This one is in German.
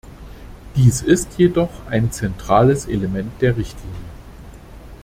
Dies ist jedoch ein zentrales Element der Richtlinie.